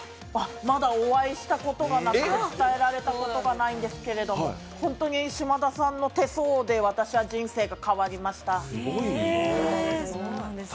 まだお会いしたことがなく、伝えられていないんですけど、本当に島田さんの手相で私は人生が変わりました。